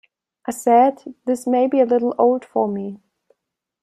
I said, 'This may be a little old for me.